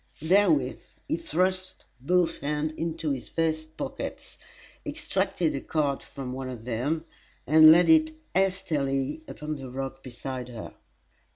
Therewith he thrust both hands into his vest pockets, extracted a card from one of them, and laid it hastily upon the rock beside her.